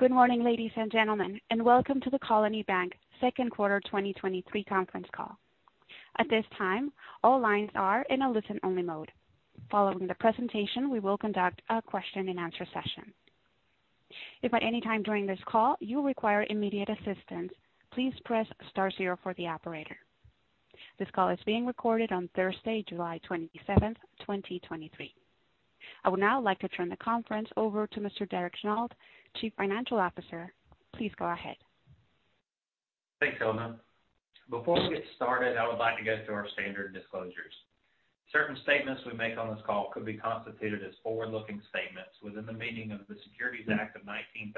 Good morning, ladies and gentlemen, and welcome to the Colony Bank Second Quarter 2023 Conference Call. At this time, all lines are in a listen-only mode. Following the presentation, we will conduct a question-and-answer session. If at any time during this call you require immediate assistance, please press star zero for the operator. This call is being recorded on Thursday, July 27th, 2023. I would now like to turn the conference over to Mr. Derek Shelnutt, Chief Financial Officer. Please go ahead. Thanks, Helena. Before we get started, I would like to go through our standard disclosures. Certain statements we make on this call could be constituted as forward-looking statements within the meaning of the Securities Act of 1933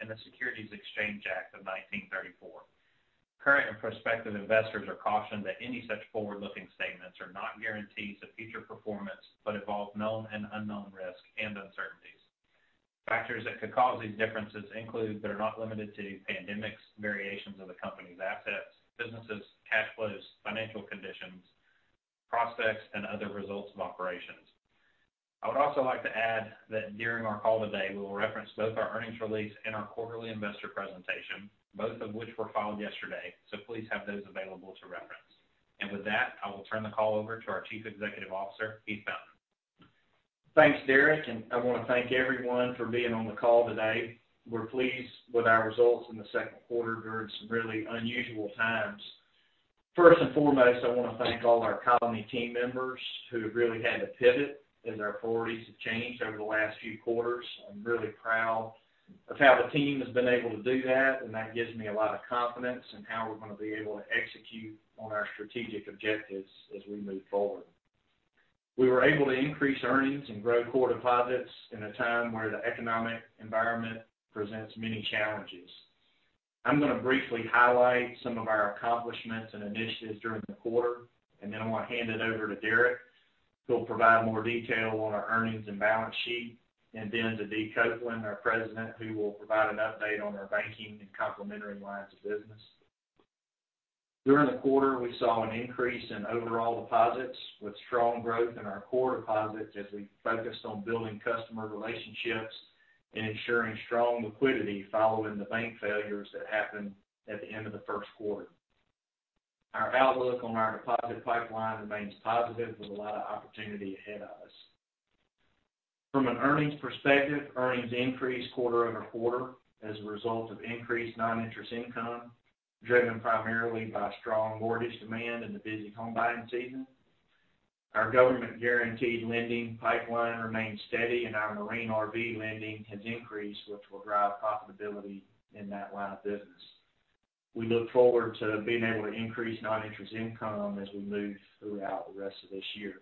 and the Securities Exchange Act of 1934. Current and prospective investors are cautioned that any such forward-looking statements are not guarantees of future performance, but involve known and unknown risks and uncertainties. Factors that could cause these differences include, but are not limited to, pandemics, variations of the company's assets, businesses, cash flows, financial conditions, prospects, and other results of operations. I would also like to add that during our call today, we will reference both our earnings release and our quarterly investor presentation, both of which were filed yesterday, so please have those available to reference. With that, I will turn the call over to our Chief Executive Officer, Heath Fountain. Thanks, Derek. I want to thank everyone for being on the call today. We're pleased with our results in the second quarter during some really unusual times. First and foremost, I want to thank all our Colony team members who have really had to pivot as our priorities have changed over the last few quarters. I'm really proud of how the team has been able to do that. That gives me a lot of confidence in how we're going to be able to execute on our strategic objectives as we move forward. We were able to increase earnings and grow core deposits in a time where the economic environment presents many challenges. I'm going to briefly highlight some of our accomplishments and initiatives during the quarter, and then I want to hand it over to Derek, who will provide more detail on our earnings and balance sheet, and then to D Copeland, our President, who will provide an update on our banking and complementary lines of business. During the quarter, we saw an increase in overall deposits, with strong growth in our core deposits as we focused on building customer relationships and ensuring strong liquidity following the bank failures that happened at the end of the first quarter. Our outlook on our deposit pipeline remains positive, with a lot of opportunity ahead of us. From an earnings perspective, earnings increased quarter-over-quarter as a result of increased non-interest income, driven primarily by strong mortgage demand and the busy home buying season. Our government-guaranteed lending pipeline remains steady, and our Marine/RV lending has increased, which will drive profitability in that line of business. We look forward to being able to increase non-interest income as we move throughout the rest of this year.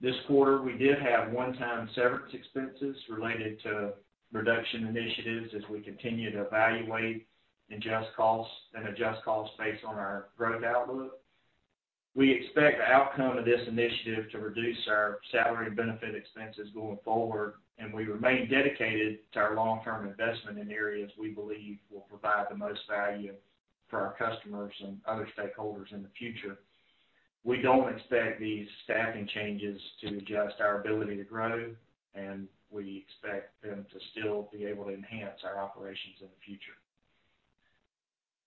This quarter, we did have one-time severance expenses related to reduction initiatives as we continue to evaluate and adjust costs based on our growth outlook. We expect the outcome of this initiative to reduce our salary and benefit expenses going forward, and we remain dedicated to our long-term investment in areas we believe will provide the most value for our customers and other stakeholders in the future. We don't expect these staffing changes to adjust our ability to grow, and we expect them to still be able to enhance our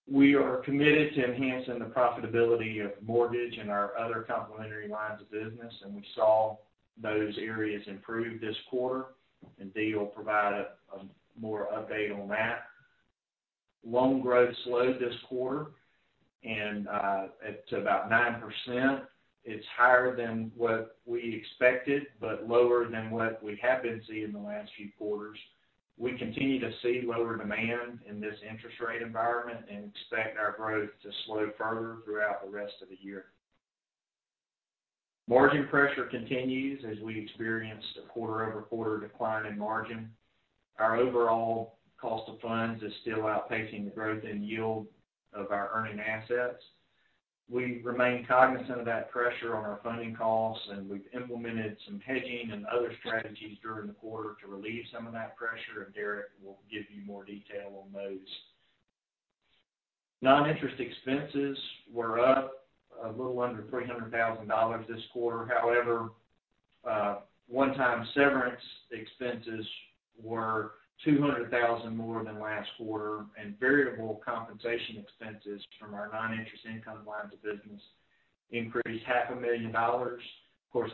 operations in the future. We are committed to enhancing the profitability of mortgage and our other complementary lines of business, and we saw those areas improve this quarter, and D will provide a more update on that. Loan growth slowed this quarter, and it's about 9%. It's higher than what we expected, but lower than what we have been seeing in the last few quarters. We continue to see lower demand in this interest rate environment and expect our growth to slow further throughout the rest of the year. Margin pressure continues as we experienced a quarter-over-quarter decline in margin. Our overall cost of funds is still outpacing the growth in yield of our earning assets. We remain cognizant of that pressure on our funding costs, and we've implemented some hedging and other strategies during the quarter to relieve some of that pressure, and Derek will give you more detail on those. Non-interest expenses were up a little under $300,000 this quarter. However, one-time severance expenses were $200,000 more than last quarter, and variable compensation expenses from our non-interest income lines of business increased half a million dollars. Of course,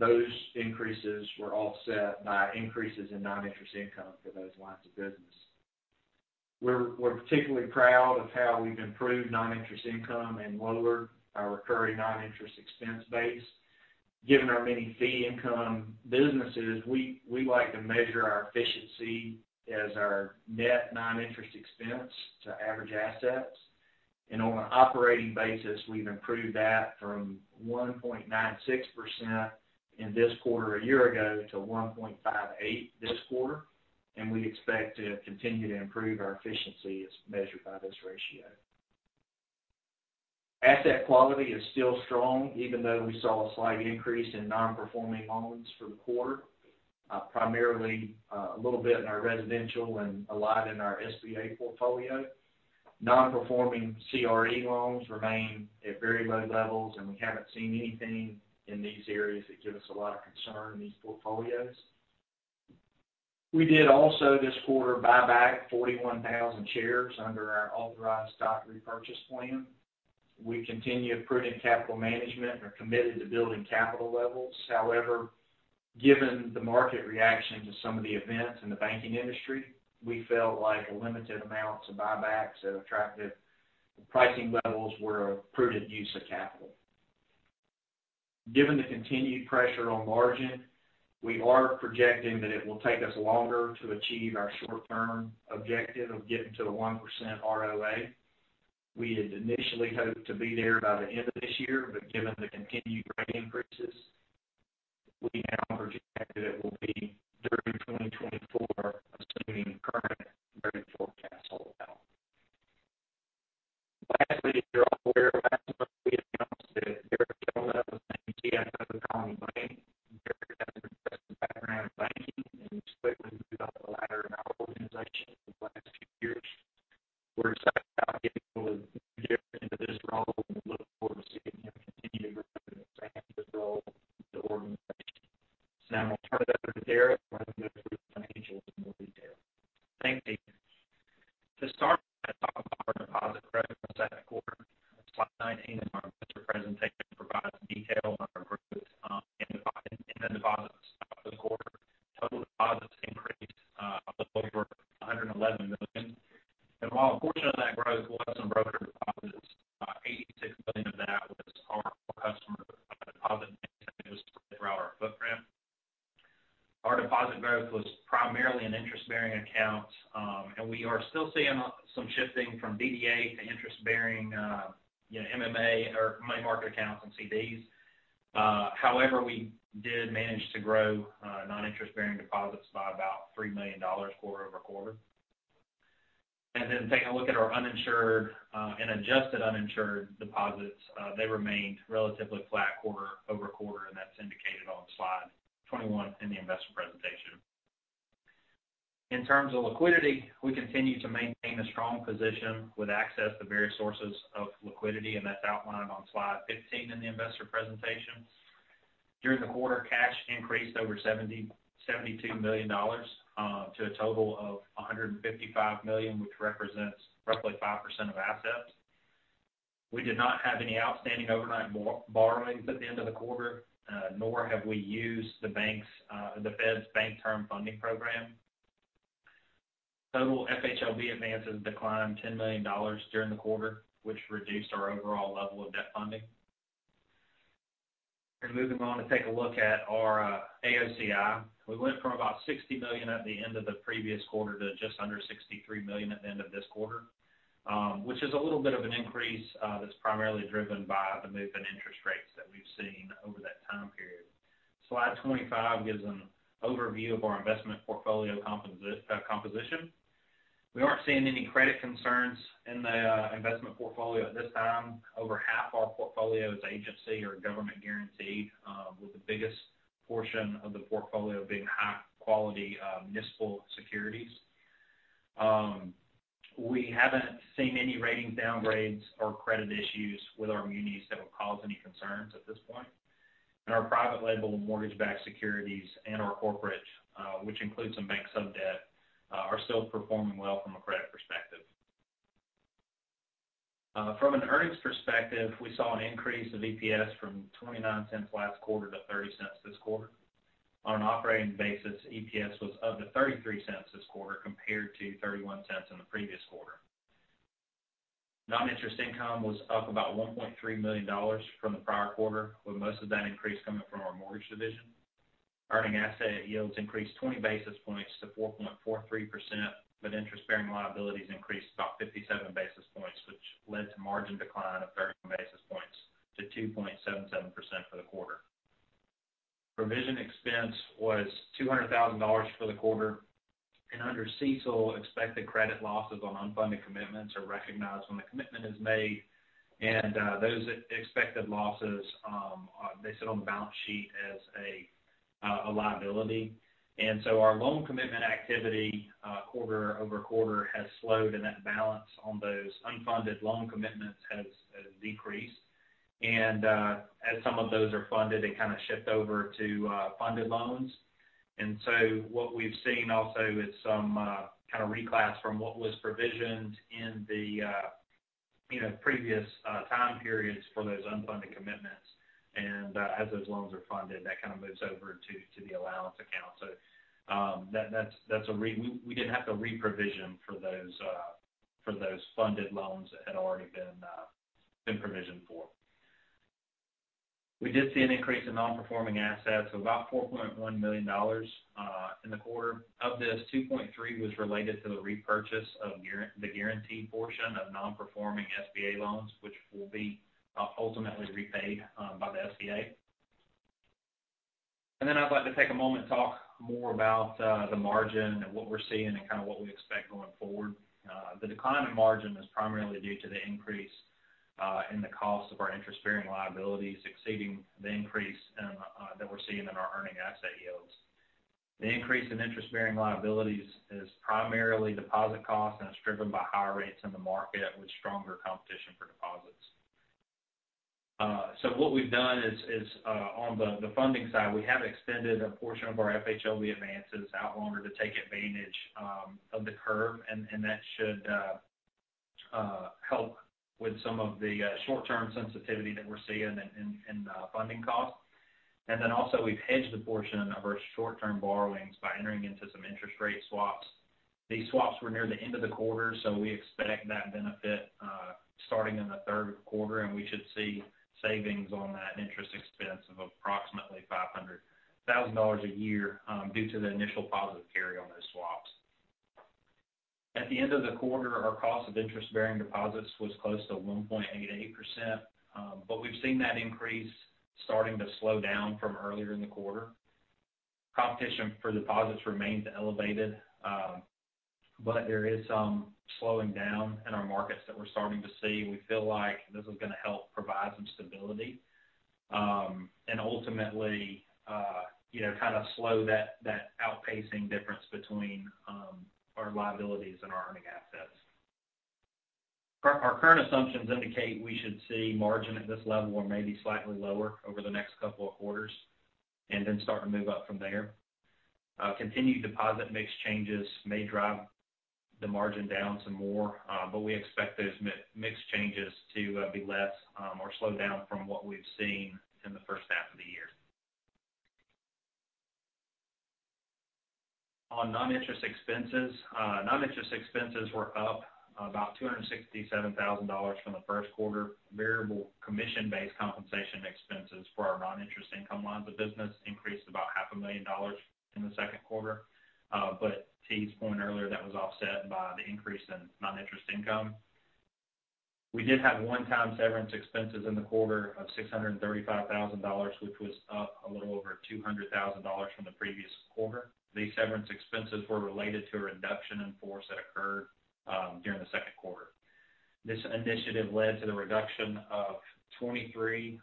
those increases were offset by increases in non-interest income for those lines of business. We're particularly proud of how we've improved non-interest income and lowered our recurring non-interest expense base. Given our many fee income businesses, we like to measure our efficiency as our net non-interest expense to average assets. On an operating basis, we've improved that from 1.96% in this quarter a year ago to 1.58% this quarter. We expect to continue to improve our efficiency as measured by this ratio. Asset quality is still strong, even though we saw a slight increase in non-performing loans for the quarter, primarily a little bit in our residential and a lot in our SBA portfolio. Non-performing CRE loans remain at very low levels. We haven't seen anything in these areas that give us a lot of concern in these portfolios. We did also, this quarter, buy back 41,000 shares under our authorized stock repurchase plan. We continue prudent capital management and are committed to building capital levels. However, given the market reaction to some of the events in the banking industry, we felt like limited amounts of buybacks at attractive pricing levels were a prudent use of capital. Given the continued pressure on margin, we are projecting that it will take us longer to achieve our short-term objective of getting to the 1% ROA. Given the continued rate increases, we now project that it will be during 2024, assuming current rate forecasts hold out. Lastly, you're all aware of last month, we announced that Derek Jones was named CIO of Colony Bank. Derek has an impressive background in banking, During the quarter, cash increased over $72 million to a total of $155 million, which represents roughly 5% of assets. We did not have any outstanding overnight borrowings at the end of the quarter, nor have we used the bank's, the Fed's Bank Term Funding Program. Total FHLB advances declined $10 million during the quarter, which reduced our overall level of debt funding. Moving on to take a look at our AOCI. We went from about $60 million at the end of the previous quarter to just under $63 million at the end of this quarter, which is a little bit of an increase, that's primarily driven by the move in interest rates that we've seen over that time period. Slide 25 gives an overview of our investment portfolio composition. We aren't seeing any credit concerns in the investment portfolio at this time. Over half our portfolio is agency or government guaranteed, with the biggest portion of the portfolio being high quality municipal securities. We haven't seen any ratings downgrades or credit issues with our munis that would cause any concerns at this point. Our private label and mortgage-backed securities and our corporate, which includes some bank sub-debt, are still performing well from a credit perspective. From an earnings perspective, we saw an increase of EPS from $0.29 last quarter to $0.30 this quarter. On an operating basis, EPS was up to $0.33 this quarter, compared to $0.31 in the previous quarter. Non-interest income was up about $1.3 million from the prior quarter, with most of that increase coming from our mortgage division. Earning asset yields increased 20 basis points to 4.43%, interest-bearing liabilities increased about 57 basis points, which led to margin decline of 30 basis points to 2.77% for the quarter. Provision expense was $200,000 for the quarter, under CECL, expected credit losses on unfunded commitments are recognized when the commitment is made. Those expected losses, they sit on the balance sheet as a liability. Our loan commitment activity, quarter-over-quarter, has slowed, and that balance on those unfunded loan commitments has decreased. As some of those are funded, they kind of shift over to funded loans. What we've seen also is some kind of reclass from what was provisioned in the, you know, previous time periods for those unfunded commitments. As those loans are funded, that kind of moves over to the allowance account. That's a re-- we didn't have to re-provision for those funded loans that had already been provisioned for. We did see an increase in non-performing assets of about $4.1 million in the quarter. Of this, $2.3 was related to the repurchase of the guaranteed portion of non-performing SBA loans, which will be ultimately repaid by the SBA. Then I'd like to take a moment to talk more about the margin and what we're seeing and kind of what we expect going forward. The decline in margin is primarily due to the increase in the cost of our interest-bearing liabilities exceeding the increase in that we're seeing in our earning asset yields. The increase in interest-bearing liabilities is primarily deposit costs, and it's driven by higher rates in the market with stronger competition for deposits. What we've done is on the funding side, we have extended a portion of our FHLB advances out longer to take advantage of the curve, and that should help with some of the short-term sensitivity that we're seeing in funding costs. Also, we've hedged a portion of our short-term borrowings by entering into some interest rate swaps. These swaps were near the end of the quarter, so we expect that benefit starting in the third quarter, and we should see savings on that interest expense of approximately $500,000 a year due to the initial positive carry on those swaps. At the end of the quarter, our cost of interest-bearing deposits was close to 1.88%, but we've seen that increase starting to slow down from earlier in the quarter. Competition for deposits remains elevated. There is some slowing down in our markets that we're starting to see. We feel like this is going to help provide some stability, and ultimately, you know, kind of slow that, that outpacing difference between our liabilities and our earning assets. Our current assumptions indicate we should see margin at this level or maybe slightly lower over the next couple of quarters, then start to move up from there. Continued deposit mix changes may drive the margin down some more, but we expect those mix changes to be less or slow down from what we've seen in the first half of the year. On non-interest expenses, non-interest expenses were up about $267,000 from the first quarter. Variable commission-based compensation expenses for our non-interest income lines of business increased about half a million dollars in the second quarter, but to Heath's point earlier, that was offset by the increase in non-interest income. We did have one-time severance expenses in the quarter of $635,000, which was up a little over $200,000 from the previous quarter. These severance expenses were related to a reduction in force that occurred during the second quarter. This initiative led to the reduction of 23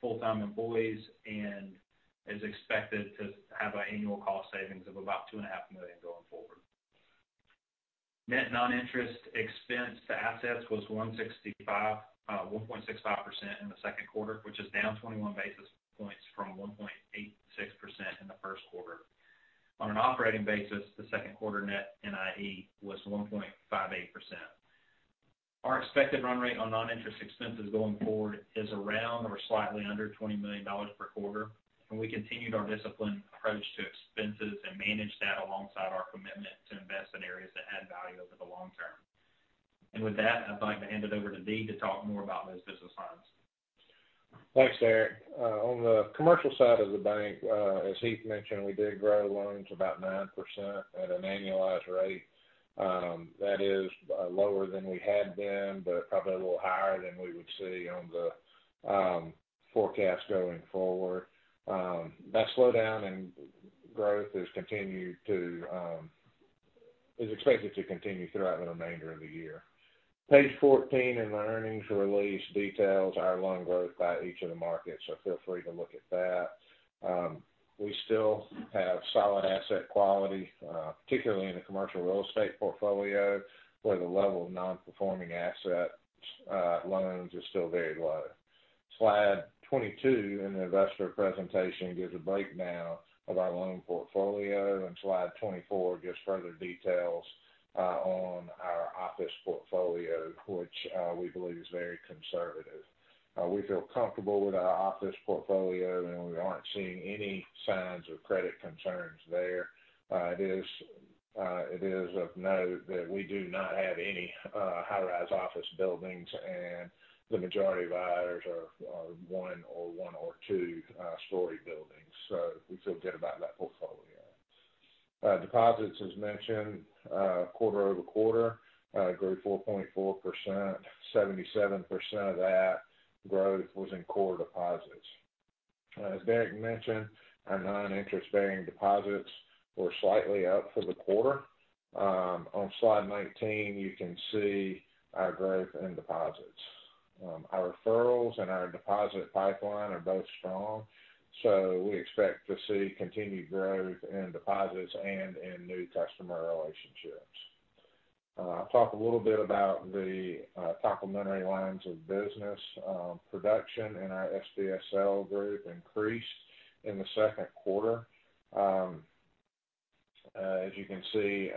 full-time employees and is expected to have an annual cost savings of about $2.5 million going forward. Net non-interest expense to assets was 1.65% in the second quarter, which is down 21 basis points from 1.86% in the first quarter. On an operating basis, the second quarter net NIE was 1.58%. Our expected run rate on non-interest expenses going forward is around or slightly under $20 million per quarter. We continued our disciplined approach to expenses and managed that alongside our commitment to invest in areas that add value over the long term. With that, I'd like to hand it over to D to talk more about those business lines. Thanks, Derek. On the commercial side of the bank, as Heath mentioned, we did grow loans about 9% at an annualized rate. That is lower than we had been, but probably a little higher than we would see on the forecast going forward. That slowdown in growth has continued to is expected to continue throughout the remainder of the year. Page 14 in the earnings release details our loan growth by each of the markets, so feel free to look at that. We still have solid asset quality, particularly in the commercial real estate portfolio, where the level of non-performing asset loans is still very low. Slide 22 in the investor presentation gives a breakdown of our loan portfolio, and slide 24 gives further details on our office portfolio, which we believe is very conservative. We feel comfortable with our office portfolio. We aren't seeing any signs of credit concerns there. It is of note that we do not have any high-rise office buildings, and the majority of ours are one or two story buildings. We feel good about that portfolio. Deposits, as mentioned, quarter-over-quarter, grew 4.4%. 77% of that growth was in core deposits. As Derek mentioned, our non-interest-bearing deposits were slightly up for the quarter. On slide 19, you can see our growth in deposits. Our referrals and our deposit pipeline are both strong. We expect to see continued growth in deposits and in new customer relationships. I'll talk a little bit about the complementary lines of business. Production in our SBSL group increased in the second quarter, as you can see,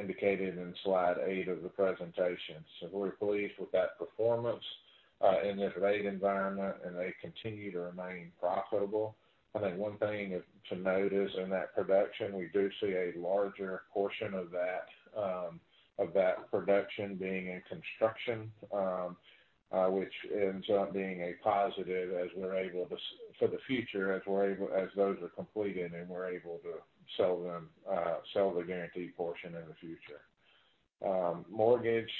indicated in slide eight of the presentation. We're pleased with that performance in this rate environment, and they continue to remain profitable. I think one thing to note is in that production, we do see a larger portion of that production being in construction, which ends up being a positive for the future, as those are completed, and we're able to sell them, sell the guaranteed portion in the future. Mortgage,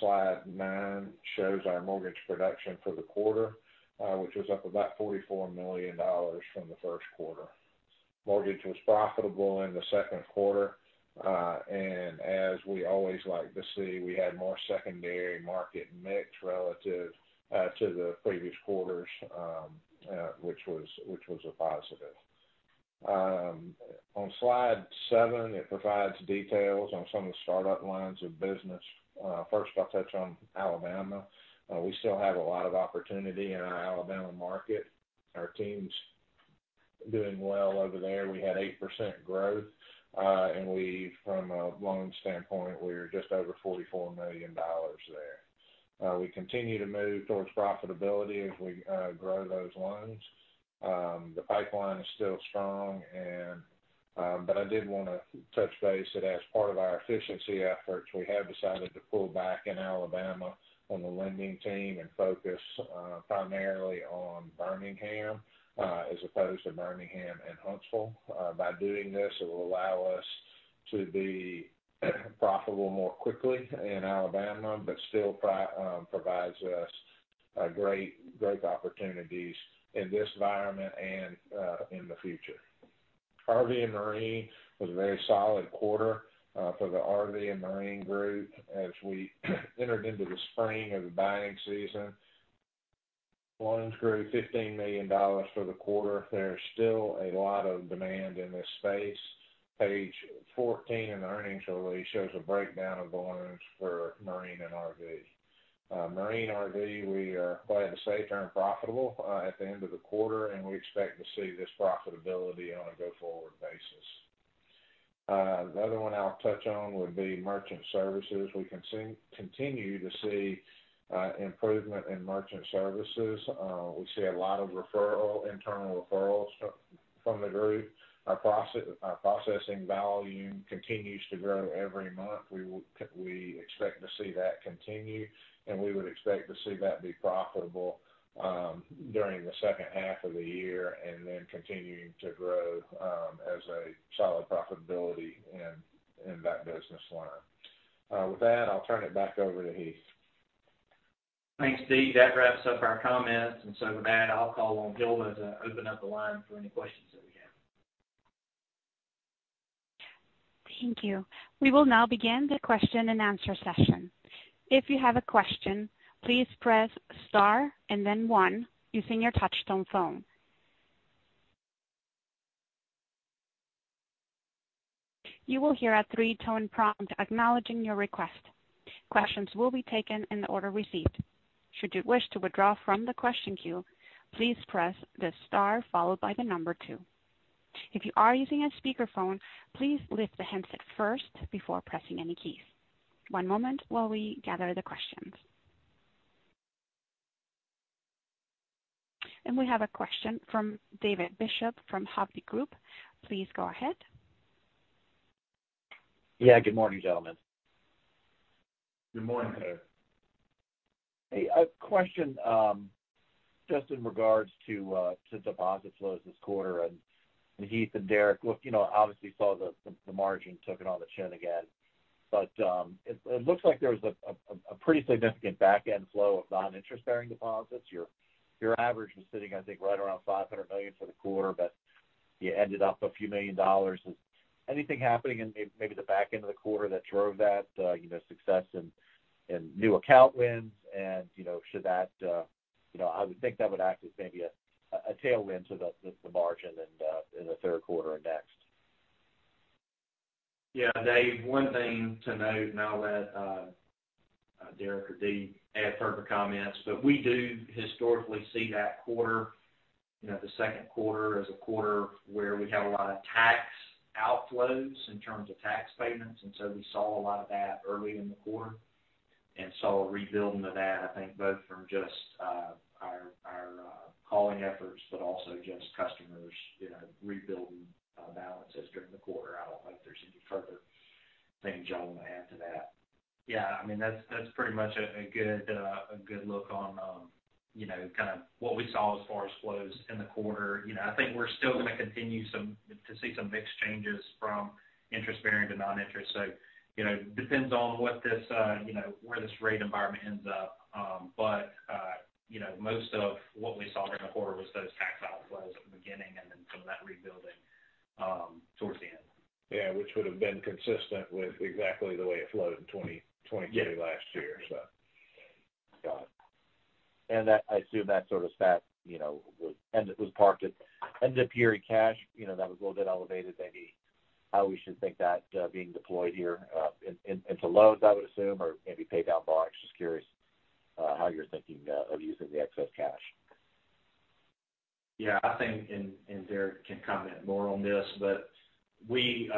slide nine, shows our mortgage production for the quarter, which was up about $44 million from the first quarter. Mortgage was profitable in the second quarter, and as we always like to see, we had more secondary market mix relative to the previous quarters, which was a positive. On slide seven, it provides details on some of the startup lines of business. First, I'll touch on Alabama. We still have a lot of opportunity in our Alabama market. Our team's doing well over there. We had 8% growth, and we, from a loan standpoint, we're just over $44 million there. We continue to move towards profitability as we grow those loans. The pipeline is still strong, and, but I did want to touch base that as part of our efficiency efforts, we have decided to pull back in Alabama on the lending team and focus primarily on Birmingham, as opposed to Birmingham and Huntsville. By doing this, it will allow us to be profitable more quickly in Alabama, but still provides us a great, great opportunities in this environment and in the future. RV and Marine was a very solid quarter for the RV and Marine group. As we entered into the spring of the buying season, loans grew $15 million for the quarter. There's still a lot of demand in this space. Page 14 in the earnings release shows a breakdown of loans for Marine and RV. Marine and RV, we are glad to say, turned profitable at the end of the quarter, and we expect to see this profitability on a go-forward basis. The other one I'll touch on would be merchant services. We continue to see improvement in merchant services. We see a lot of referral, internal referrals from the group. Our processing volume continues to grow every month. We expect to see that continue, and we would expect to see that be profitable during the second half of the year, and then continuing to grow as a solid profitability in that business line. With that, I'll turn it back over to Heath. Thanks, D. That wraps up our comments. With that, I'll call on Hilda to open up the line for any questions that we have. Thank you. We will now begin the question-and-answer session. If you have a question, please press star and then one using your touchtone phone. You will hear a three-tone prompt acknowledging your request. Questions will be taken in the order received. Should you wish to withdraw from the question queue, please press the star followed by the number two. If you are using a speakerphone, please lift the handset first before pressing any keys. One moment while we gather the questions. We have a question from David Bishop from Hovde Group. Please go ahead. Yeah, good morning, gentlemen. Good morning, Dave. Good morning. A question, just in regards to deposit flows this quarter. Heath and Derek, look, you know, obviously saw the margin took it on the chin again. It looks like there was a pretty significant back-end flow of non-interest-bearing deposits. Your average was sitting, I think, right around $500 million for the quarter, but you ended up a few million dollars. Is anything happening in maybe the back end of the quarter that drove that, you know, success in new account wins? You know, should that? You know, I would think that would act as maybe a tailwind to the margin in the third quarter and next. Yeah, Dave, one thing to note. I'll let Derek or D add further comments. We do historically see that quarter, you know, the second quarter, as a quarter where we have a lot of tax outflows in terms of tax payments. We saw a lot of that early in the quarter. A rebuilding of that, I think both from just our calling efforts. Also just customers, you know, rebuilding balances during the quarter. I don't think there's any further things, y'all want to add to that. Yeah, I mean, that's pretty much a good look on, you know, kind of what we saw as far as flows in the quarter. You know, I think we're still going to continue to see some mixed changes from interest-bearing to non-interest. You know, depends on what this, you know, where this rate environment ends up. You know, most of what we saw during the quarter was those tax outflows at the beginning and then some of that rebuilding towards the end. Yeah, which would have been consistent with exactly the way it flowed in 2023 last year, so. Got it. That, I assume that sort of stat, you know, end that was parked at, ended up here in cash, you know, that was a little bit elevated, maybe how we should think that being deployed here into loans, I would assume, or maybe pay down bonds. Just curious how you're thinking of using the excess cash? Yeah, I think, and Derek can comment more on this, but we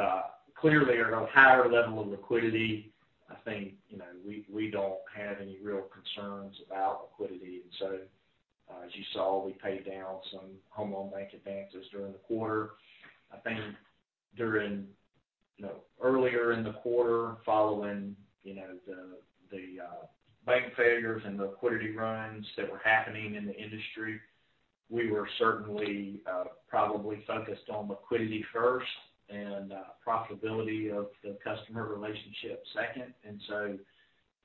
clearly are at a higher level of liquidity. I think, you know, we don't have any real concerns about liquidity. As you saw, we paid down some home loan bank advances during the quarter. I think during, you know, earlier in the quarter, following, you know, the bank failures and liquidity runs that were happening in the industry, we were certainly probably focused on liquidity first and profitability of the customer relationship second.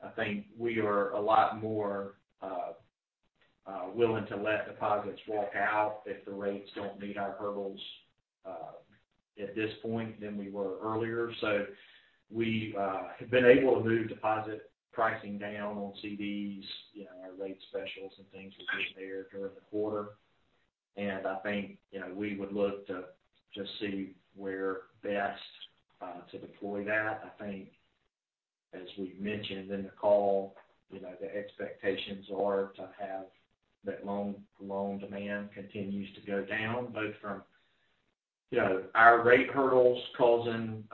I think we are a lot more willing to let deposits walk out if the rates don't meet our hurdles at this point than we were earlier. We have been able to move deposit pricing down on CDs. You know, our rate specials and things were there during the quarter. I think, you know, we would look to, to see where best to deploy that. I think as we've mentioned in the call, you know, the expectations are to have that loan demand continues to go down, both from, you know, our rate hurdles causing,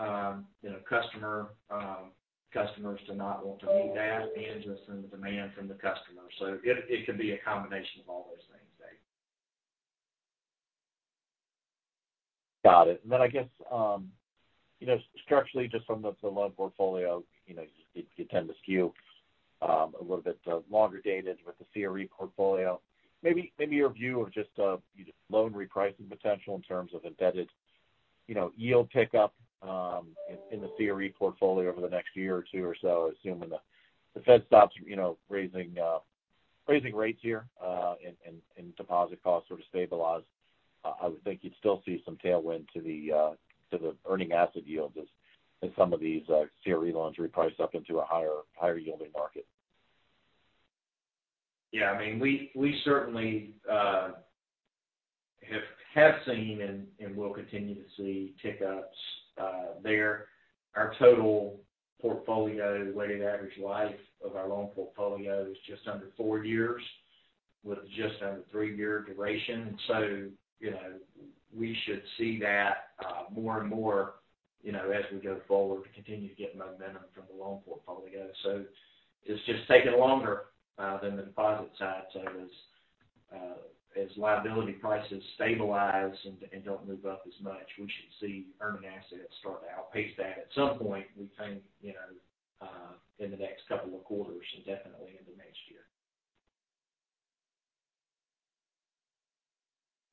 you know, customers to not want to meet that, and just from the demand from the customers. It, it could be a combination of all those things, Dave. Got it. I guess, you know, structurally, just from the loan portfolio, you know, you tend to skew a little bit longer dated with the CRE portfolio. Maybe your view of just, you know, loan repricing potential in terms of embedded, you know, yield pickup in the CRE portfolio over the next year or two or so, assuming the Fed stops, you know, raising rates here, and deposit costs sort of stabilize. I would think you'd still see some tailwind to the earning asset yields as some of these CRE loans reprice up into a higher yielding market. Yeah, I mean, we certainly have seen and will continue to see tick ups there. Our total portfolio, weighted average life of our loan portfolio is just under four years, with just under three-year duration. You know, we should see that more and more, you know, as we go forward, to continue to get momentum from the loan portfolio. It's just taking longer than the deposit side. As liability prices stabilize and don't move up as much, we should see earning assets start to outpace that at some point, we think, you know, in the next couple of quarters and definitely into next year.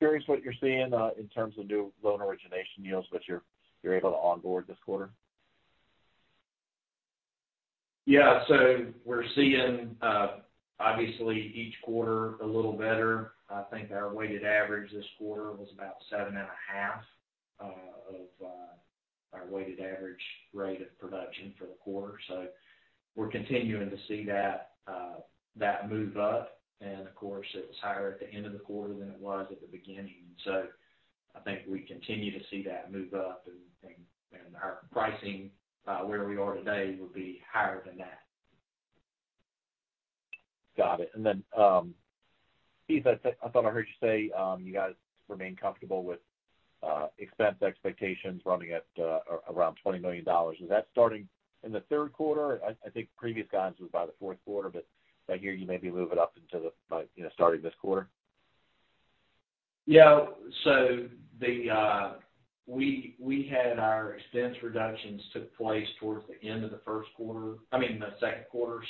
Curious what you're seeing, in terms of new loan origination yields that you're able to onboard this quarter? Yeah. We're seeing, obviously, each quarter a little better. I think our weighted average this quarter was about 7.5 of our weighted average rate of production for the quarter. We're continuing to see that move up. Of course, it was higher at the end of the quarter than it was at the beginning. I think we continue to see that move up, and our pricing, where we are today, would be higher than that. Got it. Heath, I, I thought I heard you say, you guys remain comfortable with expense expectations running at around $20 million. Is that starting in the third quarter? I, I think previous guidance was by the fourth quarter, but I hear you maybe move it up into the, like, you know, starting this quarter. Yeah. So we had our expense reductions took place towards the end of the first quarter. I mean, the second quarter.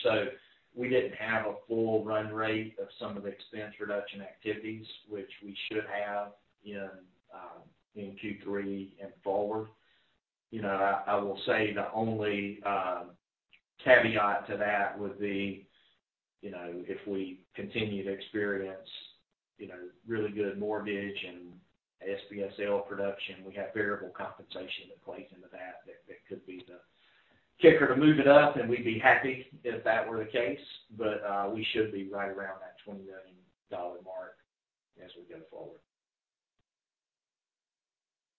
We didn't have a full run rate of some of the expense reduction activities, which we should have in Q3 and forward. You know, I will say, the only caveat to that would be, you know, if we continue to experience, you know, really good mortgage and SBSL production, we have variable compensation in place into that could be the kicker to move it up, and we'd be happy if that were the case. We should be right around that $20 million mark as we go forward.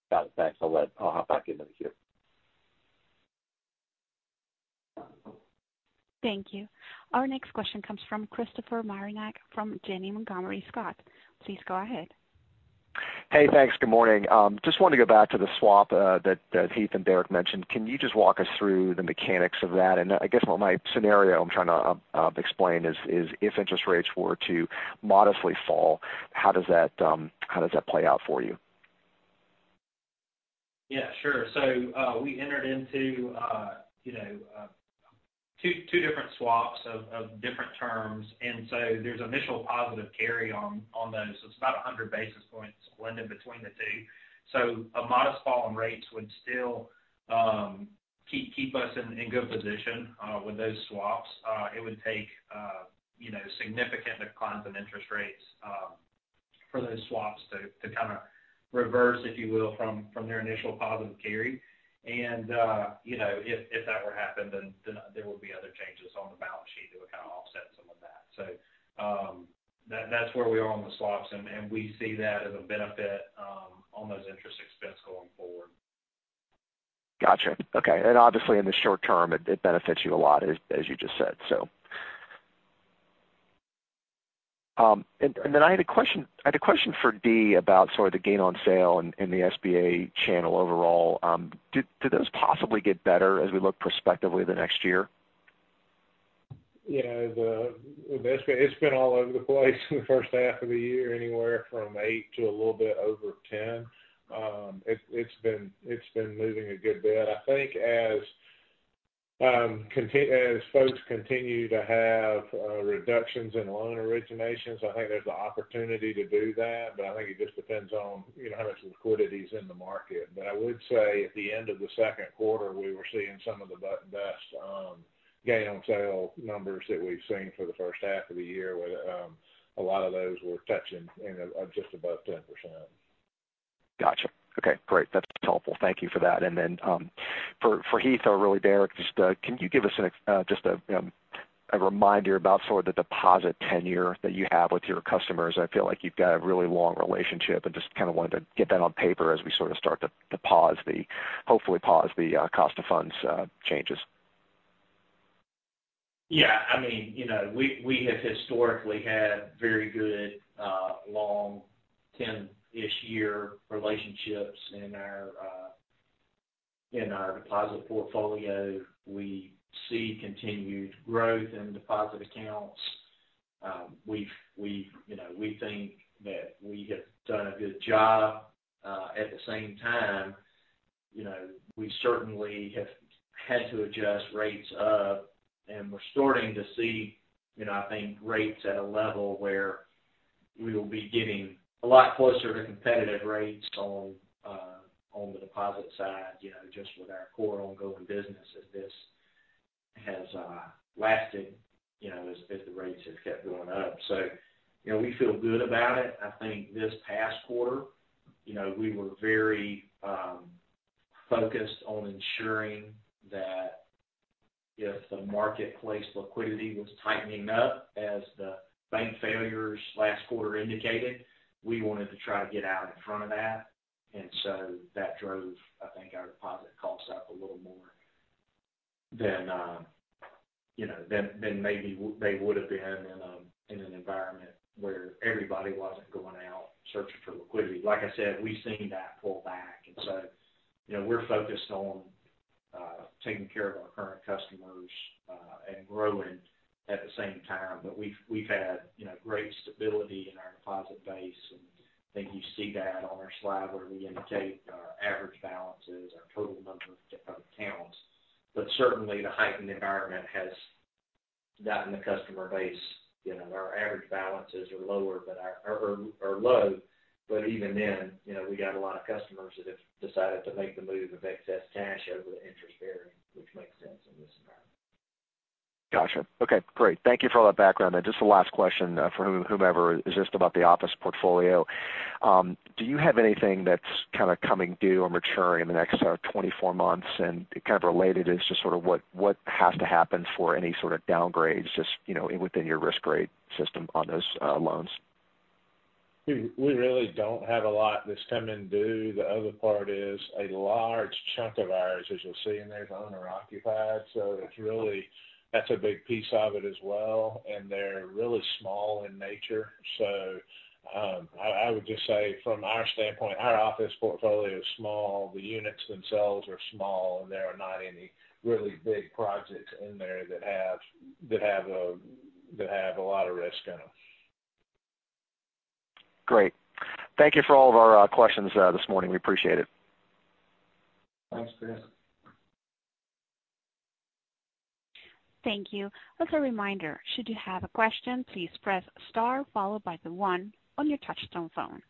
Got it. Thanks. I'll hop back into the queue. Thank you. Our next question comes from Christopher Marinac from Janney Montgomery Scott. Please go ahead. Hey, thanks. Good morning. Just wanted to go back to the swap, that, that Heath and Derek mentioned. Can you just walk us through the mechanics of that? I, I guess what my scenario I'm trying to, explain is, is if interest rates were to modestly fall, how does that, how does that play out for you? Yeah, sure. We entered into, you know, two different swaps of different terms, there's initial positive carry on those. It's about 100 basis points blended between the two. A modest fall on rates would still keep us in good position with those swaps. It would take, you know, significant declines in interest rates for those swaps to kind of reverse, if you will, from their initial positive carry. You know, if that were to happen, then there would be other changes on the balance sheet that would kind of offset some of that. That's where we are on the swaps, we see that as a benefit on those interest expense going forward. Gotcha. Okay. Obviously, in the short term, it benefits you a lot, as you just said, so. Then I had a question for D about sort of the gain on sale in the SBA channel overall. Do those possibly get better as we look prospectively the next year? Yeah, the SBA, it's been all over the place in the first half of the year, anywhere from eight to a little bit over 10. It's been moving a good bit. I think as folks continue to have reductions in loan originations, I think there's an opportunity to do that, but I think it just depends on, you know, how much liquidity is in the market. I would say at the end of the second quarter, we were seeing some of the best gain on sale numbers that we've seen for the first half of the year, where a lot of those were touching, you know, are just above 10%. Gotcha. Okay, great. That's helpful. Thank you for that. Then, for Heath, or really, Derek, just, can you give us just a reminder about sort of the deposit tenure that you have with your customers? I feel like you've got a really long relationship, and just kind of wanted to get that on paper as we sort of start to hopefully pause the cost of funds changes. Yeah, I mean, you know, we, we have historically had very good, long, ten-ish year relationships in our, in our deposit portfolio. We see continued growth in deposit accounts. We've, you know, we think that we have done a good job. At the same time, you know, we certainly have had to adjust rates up, and we're starting to see, you know, I think rates at a level where we will be getting a lot closer to competitive rates on, on the deposit side, you know, just with our core ongoing business, as this has, lasted, you know, as the rates have kept going up. You know, we feel good about it. I think this past quarter, you know, we were very focused on ensuring that if the marketplace liquidity was tightening up, as the bank failures last quarter indicated, we wanted to try to get out in front of that. That drove, I think, our deposit costs up a little more than, you know, than maybe they would have been in an environment where everybody wasn't going out searching for liquidity. Like I said, we've seen that pull back, you know, we're focused on taking care of our current customers and growing at the same time. We've, we've had, you know, great stability in our deposit base, and I think you see that on our slide where we indicate our average balances, our total number of accounts. Certainly, the heightened environment has gotten the customer base, you know, our average balances are lower, but are low, but even then, you know, we got a lot of customers that have decided to make the move of excess cash over the interest bearing, which makes sense in this environment. Gotcha. Okay, great. Thank you for all that background. Just the last question, for whomever, is just about the office portfolio. Do you have anything that's kind of coming due or maturing in the next, 24 months? Kind of related is just sort of what has to happen for any sort of downgrades, just, you know, within your risk grade system on those, loans? We really don't have a lot that's coming due. The other part is a large chunk of ours, as you'll see in there, is owner-occupied, so it's really that's a big piece of it as well, and they're really small in nature. I would just say from our standpoint, our office portfolio is small, the units themselves are small, and there are not any really big projects in there that have a lot of risk in them. Great. Thank you for all of our questions this morning. We appreciate it. Thanks, Chris. Thank you. As a reminder, should you have a question, please press star followed by the one on your touchtone phone.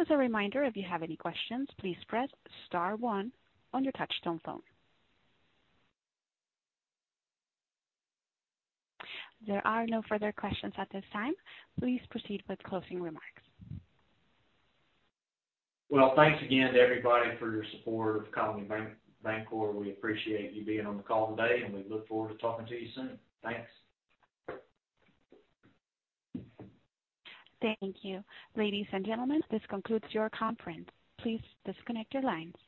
As a reminder, if you have any questions, please press star one on your touchtone phone. There are no further questions at this time. Please proceed with closing remarks. Well, thanks again to everybody for your support of Colony Bank. We appreciate you being on the call today, and we look forward to talking to you soon. Thanks. Thank you. Ladies and gentlemen, this concludes your conference. Please disconnect your lines.